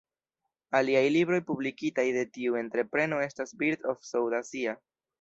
Aliaj libroj publikitaj de tiu entrepreno estas "Birds of South Asia.